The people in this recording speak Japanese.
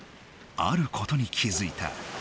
あることに気づいた。